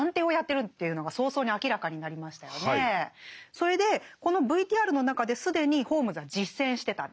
それでこのＶＴＲの中で既にホームズは実践してたんです。